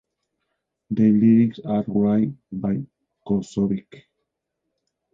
The lyrics are written by Kozowyk.